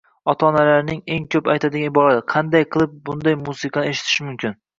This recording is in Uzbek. Ota-onalarning eng ko‘p aytadigan iboralari: “Qanday qilib bunday musiqani eshitish mumkin?”